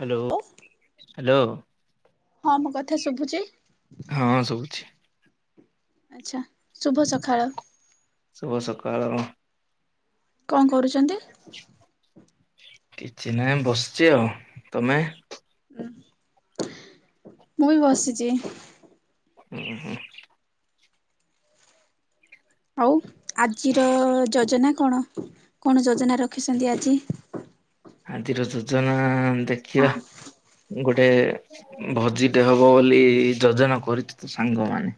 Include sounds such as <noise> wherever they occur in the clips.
Hello. ଓ hello ହଁ ମୋ କଥା ଶୁଭୁଛି ହଁ ସବୁଚି। ଆଛା ଶୁଭ ସକାଳ। ଶୁଭ ସକାଳ। କଣ କରୁଚନ୍ତି। କିଛି ନାହିଁ ବସିଛି ଆଉ ତମେ? ମୁଁ ବି ବସିଚି। ଉଁ ହୁଁ। ଆଉ ଆଜିର ଯୋଜନା କଣ? କଣ ଯୋଜନା ରଖିଛନ୍ତି ଆଜି। ହଁ ଆଜିର ଯୋଜନା ଦେଖିବା ହଁ। ଗୋଟେ ଭୋଜିଟେ ହବ ବୋଲି ଯୋଜନା କରିଚନ୍ତି ସାଙ୍ଗମାନେ।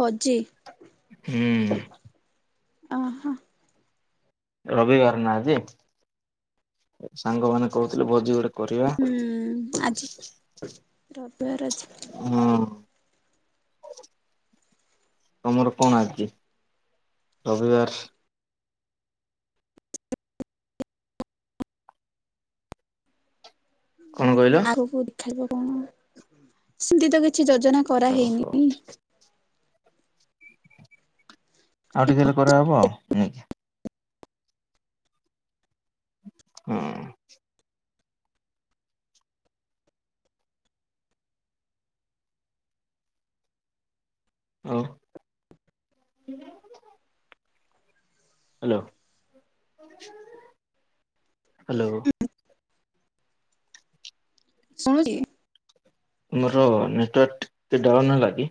ଭୋଜି। ହୁଁ। ଓହୋ। ରବିବାର ନା ଆଜି। ସାଙ୍ଗମାନେ କହୁଥିଲେ ଭୋଜି ଗୋଟେ କରିବା ହୁଁ ଆଜି ରବିବାର ଆଜି। ହଁ। ତମର କଣ ଆଜି ରବିବାର। କଣ କହିଲ ଆଗକୁ ଦେଖାଯିବ କଣ ସେମିତି ତ କିଛି କିଛି ଯୋଜନା ଓହୋ। କରାହେଇନି? ଆଉ ଟିକେ ହେଲେ କରାହବ ଆଉ ହୁଁ। ହୁଁ। ଆଉ। Hello hello. ଶୁଣୁଚି। ମୋର ନେଟୱାର୍କ ଟିକେ ଡାଉନ ହେଲାକି?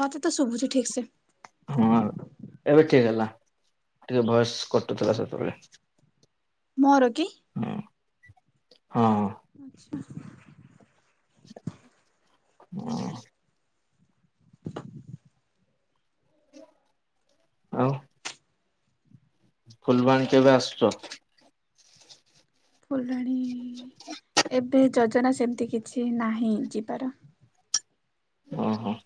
ମୋତେ ତ ଶୁବୁଚି ଠିକ ସେ। ହଁ ଏବେ ଠିକ ହେଲା ଟିକେ ଭଏସ କଟୁଥିଲା ସେତେବେଳେ। ମୋର କି? ହୁଁ ହଁ। ଆଚ୍ଛା। ହୁଁ। ଆଉ। ଫୁଲବାଣୀ କେବେ ଆସୁଛ। ଫୁଲବାଣୀ ଏବେ ଯୋଜନା ସେମିତି କିଛି ନାହିଁ ଯିବାର। ଅହଁ।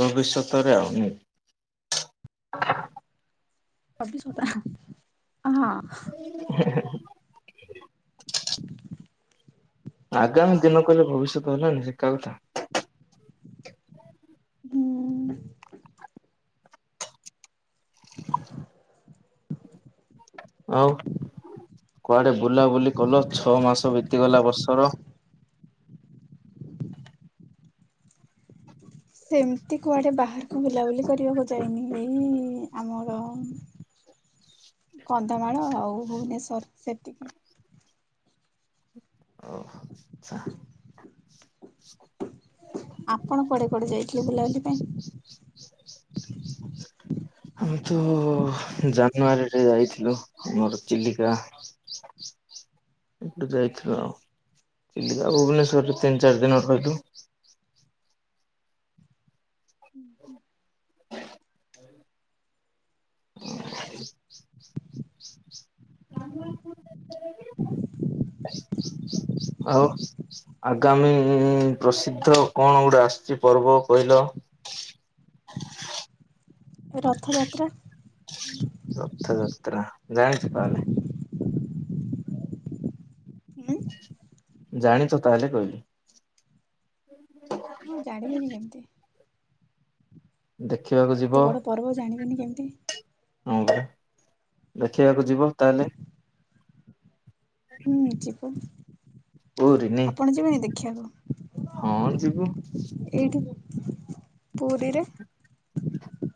ଭବିଷ୍ୟତରେ ଆଉ। <unintelligible> <unintelligible> ଆଗାମୀ ଦିନ କହିଲେ ଭବିଷ୍ୟତ ହେଲାନି ସେ ଏକା କଥା। ହୁଁ। <inaudible> ଆଉ। କୁଆଡେ ବୁଲାବୁଲି କଲ ଛଅ ମାସ ବିତିଗଲା ବର୍ଷର। ସେମିତି କୁଆଡେ ବାହାରକୁ ବୁଲାବୁଲି କରିବାକୁ ଯାଇନି। ଏଇ ଆମର କନ୍ଧମାଳ ଆଉ ଭୁବନେଶ୍ଵର ସେତିକି। ଆଛା <inaudible> ଆପଣ କୁଆଡେ କୁଆଡେ ଯାଇଥିଲେ ବୁଲାବୁଲି ପାଇଁ। ଆମେ ତ ଜାନୁଆରୀରେ ଯାଇଥିଲୁ ମୋର ଚିଲିକା। ଏଇଠୁ ଯାଇଥିଲୁ ଆଉ। ଚିଲିକା ଭୁବନେଶ୍ଵରରୁ ତିନି ଚାରି ଦିନ ବାଟର ହେଇଥିବ। ଆଉ। ଆଗାମୀ ପ୍ରସିଦ୍ଧ କଣ ଗୋଟେ ଆସୁଛି ପର୍ବ କହିଲ। ରଥଯାତ୍ରା। ରଥଯାତ୍ରା ଯାଣିଚ ତାହାଲେ। ହୁଁ ଜାଣିଛ ତାହେଲେ କହିଲି। ହଁ ଜାଣିବିନି କେମିତି। ଦେଖିବାକୁ ଯିବ ଏତେ ବଡ ପର୍ବ ଜାଣିବିନି କେମିତି। ହଁ ପରା ଦେଖିବାକୁ ଯିବ ତାହେଲେ। ହୁଁ ଯିବୁ ପୁରୀ ନାଇଁ ଆପଣ ଯିବେନି ଦେଖିବାକୁ। ହଁ ଯିବୁ। ଏଇଠିକି ପୁରୀରେ।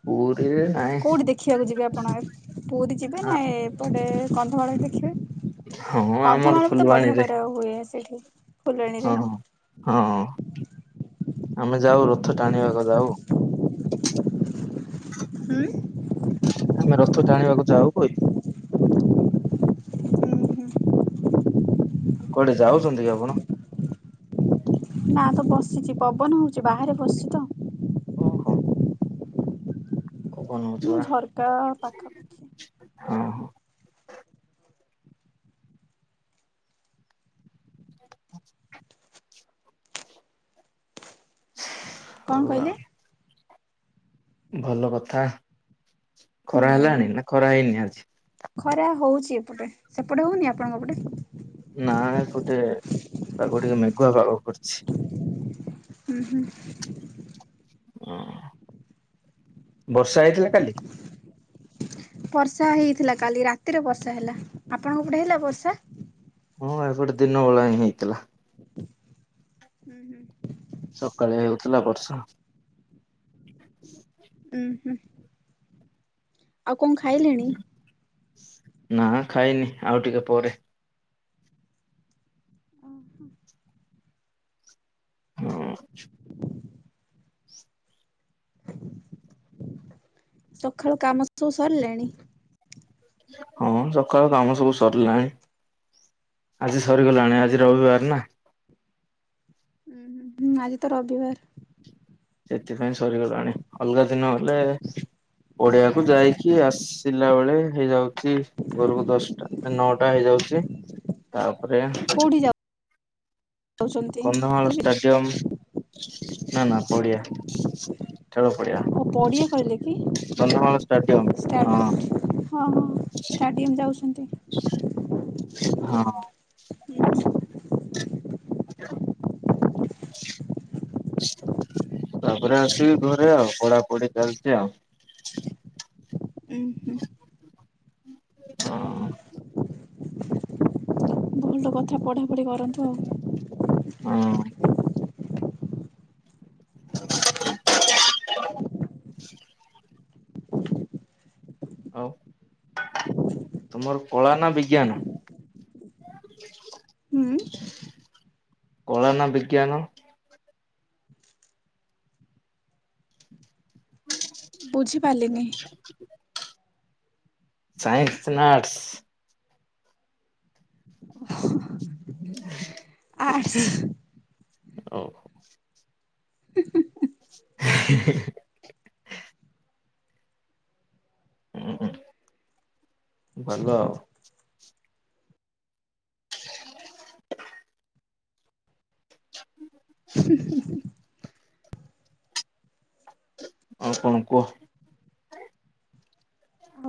ପୁରୀରେ ନାଇଁ କୋଉଠି ଦେଖିବାକୁ ଯିବେ ଆପଣ ଏ ପୁରୀ ଯିବେ ଆ ନା ଏପଟେ କନ୍ଧମାଳ ବି ଦେଖିବେ। ହଁ ଆମର କନ୍ଧମାଳ ବି ତ ବଢିଆ ଫୁଲବାଣୀରେ କରାହୁଏ ସେଇଠି। ଫୁଲଣୀରେ ହଁ ହଁ ହଁ ଆମେ ଯାଉ ରଥ ଟାଣିବାକୁ ଗଲାଉ। ହୁଁ। ଆମେ ରଥ ଟାଣିବାକୁ ଯାଉ କହିଲି। ହୁଁ ହୁଁ କୁଆଡ଼େ ଯାଉଚନ୍ତି କି ଆପଣ। ନା ତ ବସିଚି, ପବନ ହୋଉଚି ବାହାରେ ବସିଚି ତ। ଓହୋ। ପବନ ହଉଛି ମାନେ ପରା ଝରକା ପାଖାପାଖି। ହଁ ହଁ। <inaudible> କଣ ହୋଉ କହିଲେ? ଆଉ। ଭଲ କଥା। ଖରାହେଲାଣି ହୁଁ ନା ଖରା ହେଇନି ଆଜି ଖରା ହୋଉଛି ଏପଟେ ସେପଟେ ହୋଉନି ଆପଣଙ୍କ ପଟେ। ନା ଏପଟେ ପାଗ ଟିକେ ମେଘୁଆ ପାଗ କରିଛି। ଉହୁଁ। ଅଁ ବର୍ଷା ହେଇଥିଲା କାଲି। ବର୍ଷା ହେଇଥିଲା କାଲି ରାତିରେ ବର୍ଷା ହେଲା। ଆପଣଙ୍କ ପଟେ ହେଲା ବର୍ଷା। ହଁ ଏପଟେ ଦିନ ବଳା ହିଁ ହେଇଥିଲା। ଉହୁଁ। ସକାଲେ ହେଉଥିଲା ବର୍ଷା। ଉୁଁ ହୁଁ ଆଉ କଁ ଖାଇଲେଣି। ନା ଖାଇନି ଆଉ ଟିକେ ପରେ। ଓହୋ। ହଁଛ। ସକାଳୁ କାମ ସବୁ ସରିଲାଣି? ହଁ ସକାଳୁ କାମ ସବୁ ସରିଲାଣି। ଆଜି ସରିଗଲାଣି ଆଜି ରବିବାର ନା। ଉ ହୁଁ ଆଜି ତ ରବିିବାର। ସେଥିପାଇଁ ସରିଗଲାଣି ଅଲଗା ଦିନ ହେଲେ ଓଡିଆକୁ ଯାଇକି ଆସି ଥିଲା ବେଳେ ହେଇଯାଉଚି ଘରକୁ ଦଶଟା ନଅଟା ହେଇଯାଉଚି ତା ପରେ କୋଉଠି ଯାଉଛନ୍ତି? କନ୍ଧମାଳ ଷ୍ଟାଡିୟମ୍ ନା ନା ପଡ଼ିଆ ଖେଳ ପଡିଆ ଓ ପଡ଼ିଆ କହିଲେକି କନ୍ଧମାଳ ଷ୍ଟାଡିୟମ ଷ୍ଟାଟ୍ ହଁ ଅ ହଁ ଷ୍ଟାଡ଼ିୟମ୍ ଯାଉଛନ୍ତି। ହଁ। <inaudible> ତାପରେ ଆସିବି ଘରେ ଆଉ ପଢା ପଢି ଚାଲିଚି ଆଉ। ଉୁଁ ହୁଁ। ହଁ। ଭଲ କଥା ପଢ଼ାପଢ଼ି କରନ୍ତୁ ହଁ ଆଉ। <inaudible> ଆଉ? ତମର ପଳା ନା ବିଜ୍ଞାନ? ହୁଁ କଳା ନା ବିଜ୍ଞାନ? ବୁଝିପାରିଲିନି? ସାଇନ୍ସ ନା ଆର୍ଟସ? <inaudible> ଆର୍ଟସ। ଓ। ହିଁଇ ହି। ଉ ହୁଁ ଭଲ ଆଉ। <inaudible> <inaudible> ହୁ ହୁ ହୁ। ଆଉ କଣ କୁହ?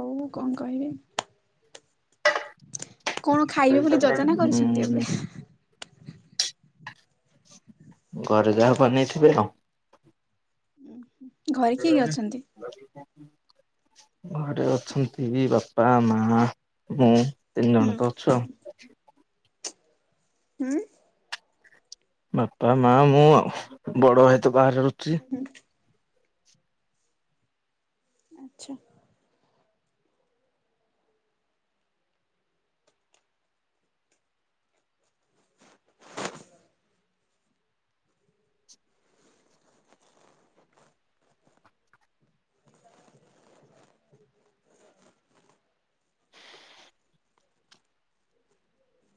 ମୁଁ କଣ କହିବି? କଣ ଖାଇବେ ବୋଲି ଯୋଜନା କରିଛନ୍ତି ଉଁ ଏବେ? ଘରେ ଯାହା ବନେଇଥିବେ ଆଉ। ଘରେ କିଏ କିଏ <unintelligible> ଅଛନ୍ତି? ଘରେ ଅଛନ୍ତି ବାପା ମା ମୁଁ। ତିନି ହୁଁ ଜଣତ ଅଛୁ ଆଉ। ହୁଁ ବାପା ମା ମୁଁ ଆଉ ବଡ଼ଭାଇ ତ ବାହାରେ ରହୁଛି। ଆଚ୍ଛା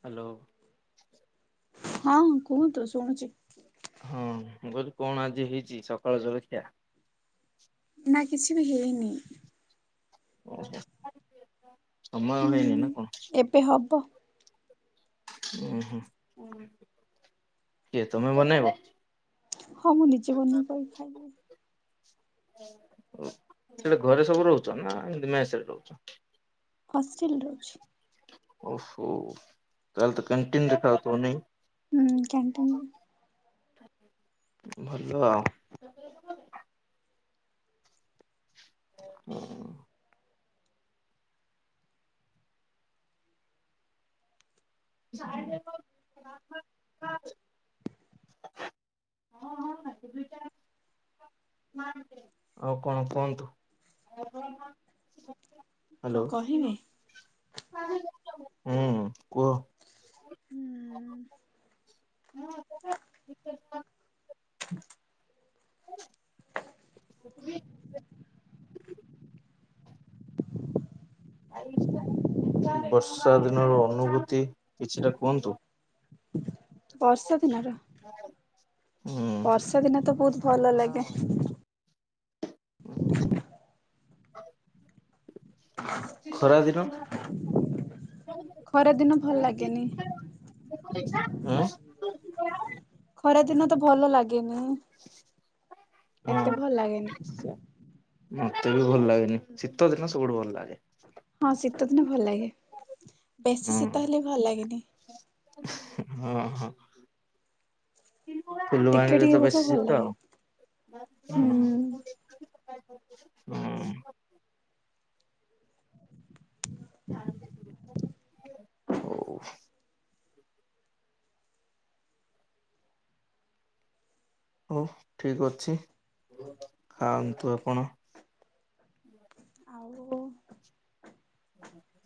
ହ୍ୟାଲୋ। ହଁ କୁହନ୍ତୁ ଶୁଣୁଚି। ହଁ ମୁଁ କଖିଲି କଣ ଆଜି ହେଇଚି ସକାଳ ଜଳଖିଆ? ଆ କିଛି ବି ହେଇନି। ଓହୋ ସମୟ ହେଇନି ହୁଁ ନାଁ। ଏବେ ହବ। ଉ ହୁଁ କିଏ ତମେ ବନେଇବ? ହଁ ମୁଁ ନିଯେବନେଇ କରି ଖାଇବି। ସେଟା ଘରେ ସବୁ ରହୁଚ ନା ଏମତି ମେସେରେ ରହୁଚ? ହଷ୍ଟେଲ୍ ରହୁଛି। ଓହୋ ତାହେଲେ ତ କାଣ୍ଟିନ୍ ରେ ଖାଉଥିବ ନାଇଁ। ହୁଁ କାଣ୍ଟିନ୍। ଭଲ ଅଂ <unintelligible> <unintelligible> ଆଉ କଣ କୁହନ୍ତୁ। ହାଲୋ କଣ ହୁଁ କହିବି କୁହ। ହୁଁ। ବର୍ଷା ଦିନର ଅନୁଭୂତି କିଛିଟା କୁହନ୍ତୁ। ବର୍ଷା ଦିନ ର ହୁଁ ବର୍ଷା ଦିନତ ବୋହୁତ ଭଲ ଲାଗେ। <inaudible> ଖରା ଦିନ। ଖରା ଦିନ ଭଲ ଲାଗେନି ଉଁ। ଖରା ଦିନ ତ ଭଲ ଲାଗେନି ଏତେ ହଁ ଭଲ ଲାଗେନି। ମତେ ବି ଭଲ ଲାଗେନି ହୁଁ ଶୀତ ଦିନ ସବୁଠୁ ଭଲ ଲାଗେ। ହଁ ଶୀତ ଦିନେ ଭଲ ଲାଗେ ବେଶୀ ଶୀତ ହୁଁ ହେଲେ ଭଲ ଲାଗେନି। ହଁ ହଁ। ଟିକେ ଫୁଲବାଣୀରେ ଟିକେ ତ ବେଶୀ ହଉଥିବ ଭଲ ଶୀତ ଲାଗେ ଆଉ ହଁ। ହୁଁ। ହୁଁ। <unintelligible> ହଉ ଠିକ୍ ଅଛି ଖାଆନ୍ତୁ ଆପଣ। ଆଉ।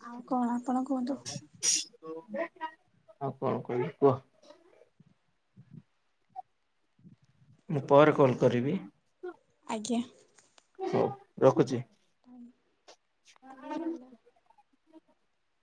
ଆଉ କଣ ଆପଣ କୁହନ୍ତୁ? ଆଉ କଣ କହିବି କୁହ? ମୁଁ ପରେ କଲ୍ କରିବି। ଆଜ୍ଞା। ହୋଉ ରଖୁଚି। ହୁଁ। <unintelligible>